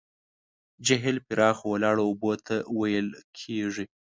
جهیل پراخو ولاړو اوبو ته ویل کیږي.